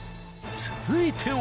続いては］